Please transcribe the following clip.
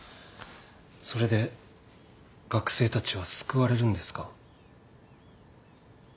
それで学生たちは救われるんですか？